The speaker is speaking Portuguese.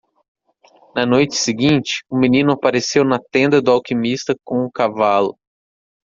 Na noite seguinte, o menino apareceu na tenda do alquimista com um cavalo.